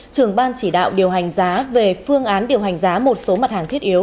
trưởng ban chỉ đạo điều hành giá về phương án điều hành giá một số mặt hàng thiết yếu